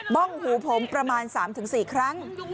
้องหูผมประมาณ๓๔ครั้ง